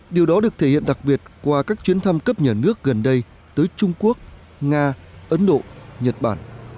điều đó được thể hiện đặc biệt qua các chuyến thăm cấp nhà nước gần đây tới trung quốc nga ấn độ nhật bản